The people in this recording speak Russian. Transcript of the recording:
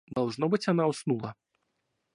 Должно быть, она уснула.